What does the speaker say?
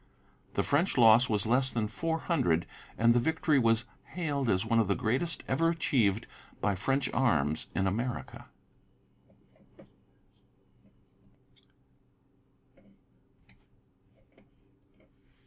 The French loss was less than four hundred, and the victory was hailed as one of the greatest ever achieved by French arms in America.